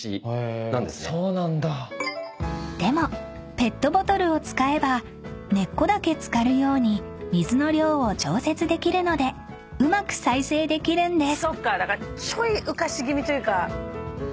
［でもペットボトルを使えば根っこだけ浸かるように水の量を調節できるのでうまく再生できるんです］